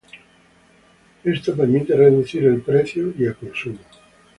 Esto permite reducir el precio y el consumo.